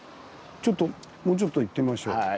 もうちょっと行ってみましょう。